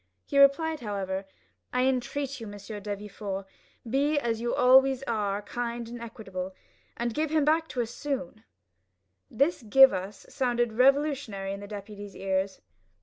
He replied, however, in a tone of deep interest: "I entreat you, M. de Villefort, be, as you always are, kind and equitable, and give him back to us soon." This give us sounded revolutionary in the deputy's ears.